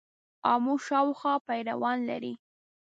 آمو شاوخوا پیروان لري.